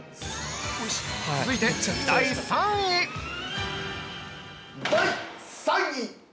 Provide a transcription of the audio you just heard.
続いて、第３位！◆第３位。